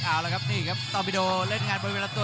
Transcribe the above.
เอาละครับนี่ครับตอบบิโดเล่นงานบริเวณลำตัว